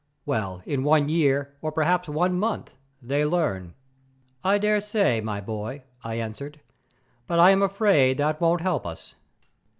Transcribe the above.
Well, in one year, or perhaps one month, they learn." "I daresay, my boy," I answered, "but I am afraid that won't help us."